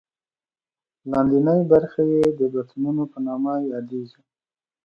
لاندینۍ برخې یې د بطنونو په نامه یادېږي.